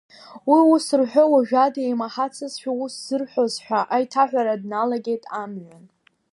Уи ус рҳәо уажәада имаҳацызшәа ус зырҳәоз ҳәа аиҭаҳәара дналагеит амҩан.